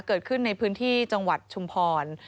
เกิดขึ้นในพื้นที่จังหวัดชุมพร